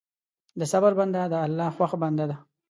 د صبر بنده د الله خوښ بنده دی.